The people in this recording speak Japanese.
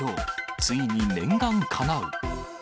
ついに念願かなう。